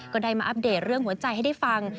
ก็ได้มาอัปเดตเรื่องหัวใจให้ได้ฟัง